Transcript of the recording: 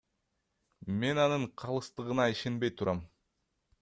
Мен анын калыстыгына ишенбей турам.